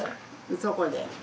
そこで。